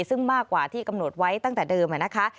ซึ่งมากกว่าที่กำหนดไว้ตั้งแต่เดิมนะคะ